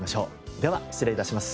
では失礼致します。